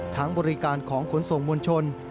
ทั้งบริการของขนส่งมวลชน